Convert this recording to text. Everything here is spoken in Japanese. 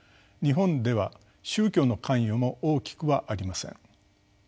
日本では宗教の関与も大きくはありません。